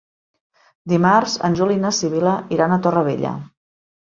Dimarts en Juli i na Sibil·la iran a Torrevella.